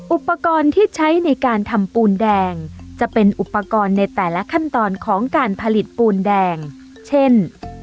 อุปกรณ์ที่ใช้ในการทำปูนแดงจะเป็นอุปกรณ์ในแต่ละขั้นตอนของการผลิตปูนแดงเช่น